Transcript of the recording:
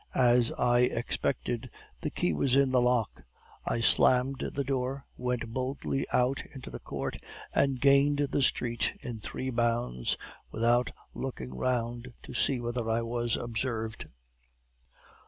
As I expected, the key was in the lock; I slammed the door, went boldly out into the court, and gained the street in three bounds, without looking round to see whether I was observed.